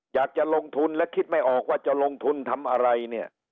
อยากจะลงทุนและคิดไม่ออกว่าจะลงทุนทำอะไรเนี่ย